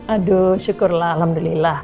aduh syukurlah alhamdulillah